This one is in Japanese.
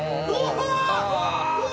うわ！